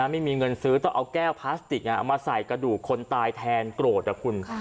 ไม่มีเงินซื้อต้องเอาแก้วพลาสติกเอามาใส่กระดูกคนตายแทนโกรธนะคุณ